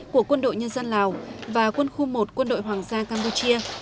của quân đội nhân dân lào và quân khu một quân đội hoàng gia campuchia